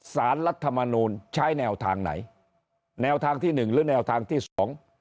รัฐมนูลใช้แนวทางไหนแนวทางที่หนึ่งหรือแนวทางที่สอง